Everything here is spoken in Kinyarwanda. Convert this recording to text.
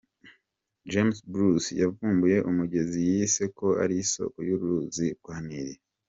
James Bruce yavumbuye umugezi yise ko ari isoko y’uruzi rwa Nil.